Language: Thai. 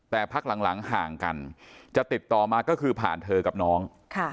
แต่พักหลังห่างกันจะติดต่อมาก็คือผ่านเธอกับน้อง